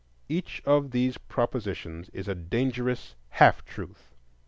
Each of these propositions is a dangerous half truth.